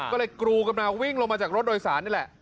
ก็เลยกรูกันมาวิ่งลงมาจากรถโดยสารนี่แหละ